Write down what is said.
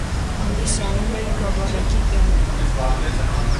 Հանդիսանում էր գավառակի կենտրոնը։